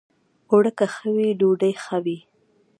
اوړه که ښه وي، ډوډۍ ښه وي